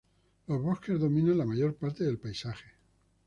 Los bosques dominan la mayor parte del paisaje.